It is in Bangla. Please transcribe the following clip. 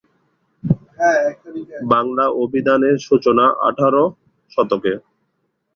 বাংলা অভিধানের সূচনা আঠারো শতকে।